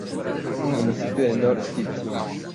Municipio de North St.